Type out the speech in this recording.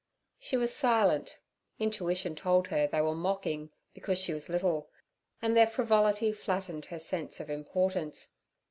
She was silent; intuition told her they were mocking because she was little, and their frivolity flattened her sense of importance.